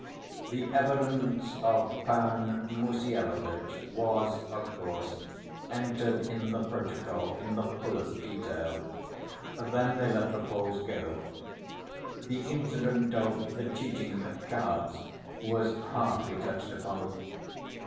The evidence of Pan Mussyalovitch was, of course, entered in the protocol in the fullest detail. Then they let the Poles go. The incident of the cheating at cards was hardly touched upon.